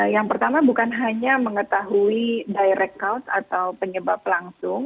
yang pertama bukan hanya mengetahui direct couse atau penyebab langsung